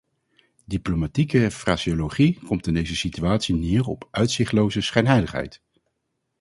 Diplomatieke fraseologie komt in deze situatie neer op uitzichtloze schijnheiligheid.